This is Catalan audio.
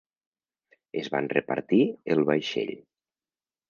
Es van repartir el vaixell.